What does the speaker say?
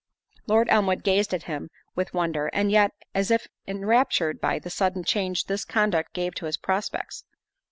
Lord Elmwood gazed at him with wonder! and yet, as if enraptured by the sudden change this conduct gave to his prospects.